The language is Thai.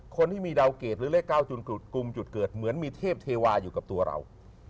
คนที่มีดาวเกรดหรือเลข๙กลุ่มจุดเกิดเหมือนมีเทพเทวาอยู่กับตัวเรา